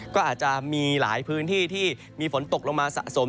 ก็อาจจะมีหลายพื้นที่ที่มีฝนตกลงมาสะสม